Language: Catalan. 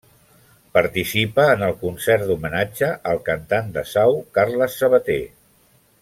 Participa en el concert d'homenatge al cantant de Sau, Carles Sabater.